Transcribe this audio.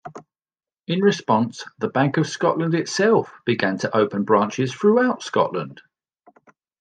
In response, the Bank of Scotland itself began to open branches throughout Scotland.